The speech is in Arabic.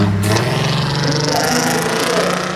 انس أنّني قلت ذلك.